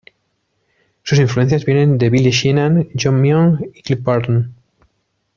Sus influencias vienen de Billy Sheehan, John Myung, Cliff Burton.